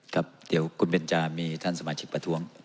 ครับเดี๋ยวคุณเบนจามีท่านสมาชิกประท้วง